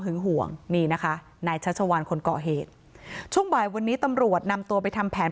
ห่วงนี่นะคะนายชัชวานคนก่อเหตุช่วงบ่ายวันนี้ตำรวจนำตัวไปทำแผน